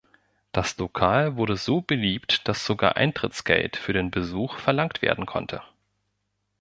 Das Lokal wurde so beliebt, dass sogar Eintrittsgeld für den Besuch verlangt werden konnte.